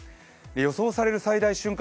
予想される最大瞬間